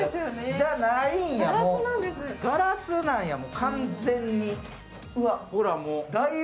じゃないんや、ガラスなんや完全に。